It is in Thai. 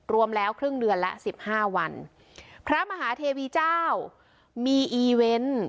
รวมแล้วครึ่งเดือนละสิบห้าวันพระมหาเทวีเจ้ามีอีเวนต์